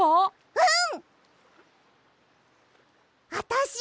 うん！